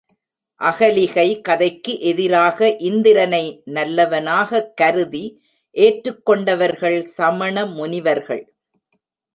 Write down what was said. அகலிகை கதைக்கு எதிராக இந்திரனை நல்லவனாகக்கருதி ஏற்றுக் கொண்டவர்கள் சமணமுனிவர்கள்.